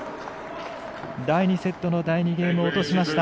第２セットの第２ゲームを落としました。